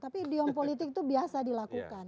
tapi idiom politik itu biasa dilakukan